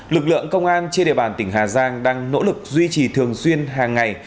lực lượng công an trên địa bàn tỉnh hà giang đang nỗ lực duy trì thường xuyên hàng ngày